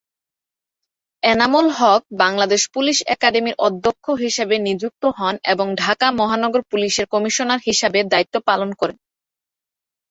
Enamul Haque Bangladesh police একাডেমির অধ্যক্ষ হিসাবে নিযুক্ত হন এবং ঢাকা মহানগর পুলিশের কমিশনার হিসাবে দায়িত্ব পালন করেন।